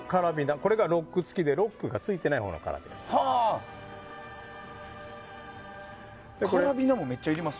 これがロック付きでロックがついていないほうのカラビナです。